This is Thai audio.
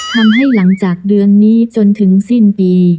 หลังจากเดือนนี้จนถึงสิ้นปี